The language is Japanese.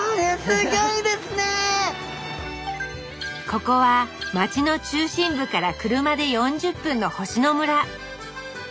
ここは町の中心部から車で４０分の星野村。